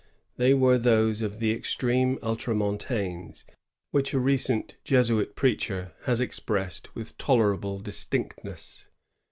They were those of the extreme ultramontanes, which a recent Jesuit preacher has expressed with tolerable distinctness.